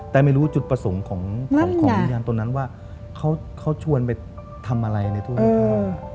แต่ไม่รู้จุดประสงค์ของวิญญาณตัวนั้นว่าเขาชวนไปทำอะไรในทุ่ง